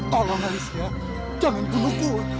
tolong nelisia jangan bunuhku